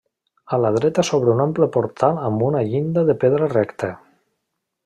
A la dreta s'obre un ample portal amb una llinda de pedra recta.